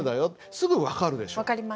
すぐ分かるでしょ？